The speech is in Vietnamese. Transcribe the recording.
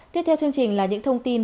tiếp theo chương trình là những thông tin